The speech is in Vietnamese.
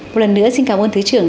một lần nữa xin cảm ơn thứ trưởng